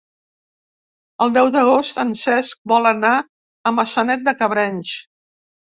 El deu d'agost en Cesc vol anar a Maçanet de Cabrenys.